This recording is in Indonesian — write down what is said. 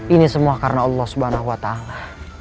ini semua karena allah subhanahu wa ta'ala